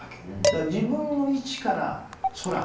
だから自分の位置から空。